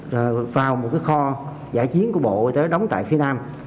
rồi vào một cái kho giải chiến của bộ y tế đóng tại phía nam